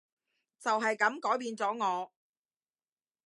就係噉改變咗我